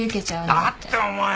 だってお前。